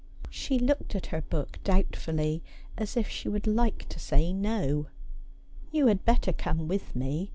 She looked at her book doubtfully, as if she would like to say no. ' You had better come witt me.